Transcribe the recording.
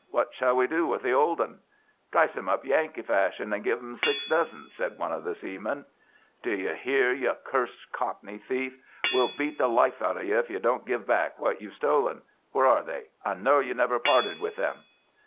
What shall we do with the old 'un?" "Trice him up Yankee fashion and give him six dozen," said one of the seamen. "D'you hear, you cursed Cockney thief? We'll beat the life out of you if you don't give back what you've stolen. Where are they? I know you never parted with them."